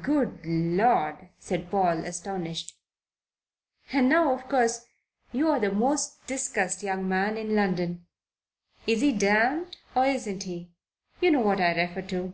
"Good Lord!" said Paul, astonished. "And now, of course, you're the most discussed young man in London. Is he damned or isn't he? You know what I refer to."